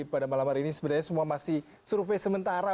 pada malam hari ini sebenarnya semua masih survei sementara